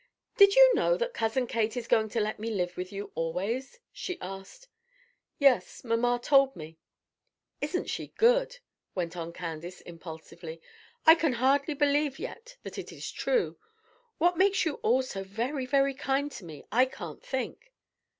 "Did you know that Cousin Kate is going to let me live with you always?" she asked. "Yes; mamma told me." "Isn't she good?" went on Candace, impulsively. "I can hardly believe yet that it is true. What makes you all so very, very kind to me, I can't think."